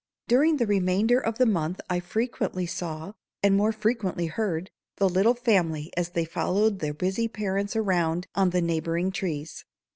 During the remainder of the month I frequently saw, and more frequently heard, the little family as they followed their busy parents around on the neighboring trees.